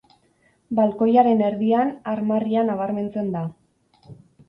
Balkoiaren erdian, armarria nabarmentzen da.